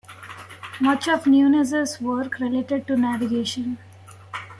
Much of Nunes' work related to navigation.